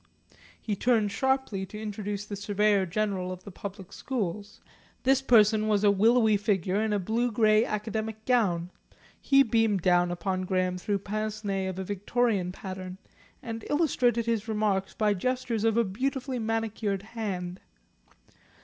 He turned sharply to introduce the Surveyor General of the Public Schools. This person was a willowy figure in a blue grey academic gown, he beamed down upon Graham through pince nez of a Victorian pattern, and illustrated his remarks by gestures of a beautifully manicured hand.